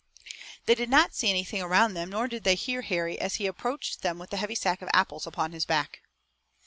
They did not see anything around them nor did they hear Harry as he approached them with the heavy sack of apples upon his back.